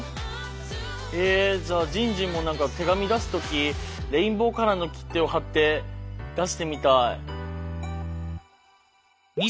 えじゃあじんじんも何か手紙出す時レインボーカラーの切手を貼って出してみたい。